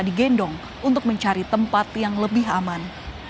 digendong untuk mencari tempat yang lebih aman